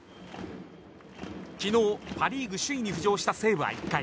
昨日、パ・リーグ首位に浮上した西武は１回